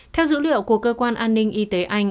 theo dữ liệu của cơ quan an ninh y tế anh